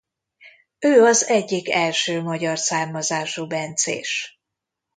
Ő az egyik első magyar származású bencés.